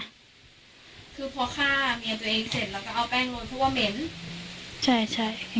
คือข้างินเกรียมเสร็จแล้วเอาแป้งบ่าเหม็น